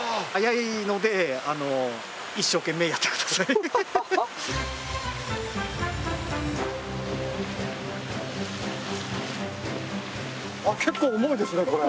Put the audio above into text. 今からあっ結構重いですねこれ。